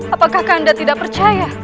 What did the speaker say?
apakah kandang tidak percaya